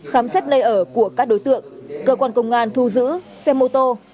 khám xét nơi ở của các đối tượng cơ quan công an thu giữ xe mô tô